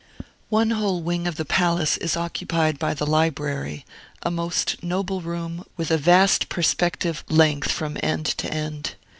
One whole wing of the palace is occupied by the library, a most noble room, with a vast perspective length from end to end.